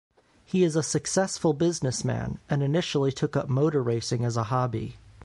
He is a successful businessman, and initially took up motor racing as a hobby.